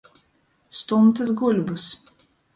Stumtys guļbys.